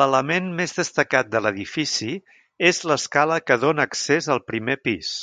L'element més destacat de l'edifici és l'escala que dóna accés al primer pis.